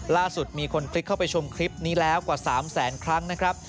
ล่าสุดมีคนคลิกเข้าไปชมคลิปนี้แล้วกว่า๓แสนครั้งนะครับ